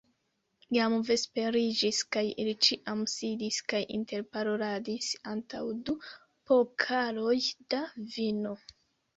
Jam vesperiĝis, kaj ili ĉiam sidis kaj interparoladis antaŭ du pokaloj da vino.